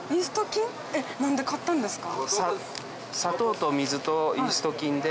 何で買ったんですか？